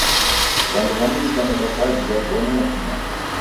W'andu w'amu w'ikanekwa kazi, w'aibonya na kinyanya.